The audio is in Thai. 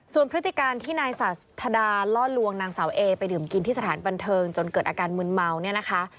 ส่วนพฤติการที่นายสาธาดาล่อลวงนางสาวเอไปดื่มกินที่สถานบันเทิงจนเกิดอาการมืนเมาเนี่ยนะคะ